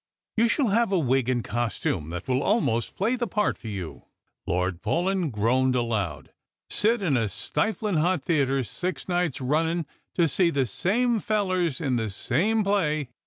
You shall have a wig and costume that will almost play the part for you." Lord Paulyn groaned aloud. " Sit in a stiflin' hot theatre six nights runniu' to see the same fellers in the same play